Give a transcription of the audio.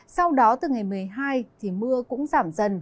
sau đó từ ngày một mươi hai thì mưa cũng giảm dần